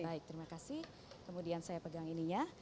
baik terima kasih kemudian saya pegang ininya